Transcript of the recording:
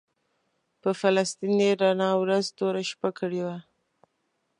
په فلسطین یې رڼا ورځ توره شپه کړې ده.